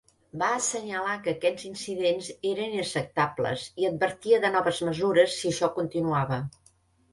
Va assenyalar que aquests incidents eren inacceptables i advertia de noves mesures si això continuava.